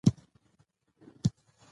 د ژبي ارزښت باید ټولو ته روښانه سي.